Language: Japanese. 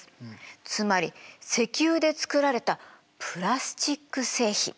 つまり石油で作られたプラスチック製品。